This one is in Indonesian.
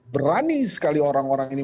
berani sekali orang orang ini